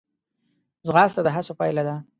ځغاسته د هڅو پایله ده